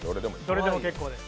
どれでも結構です。